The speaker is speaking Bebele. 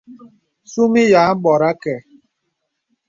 Sūmī yà àbōrà àkə.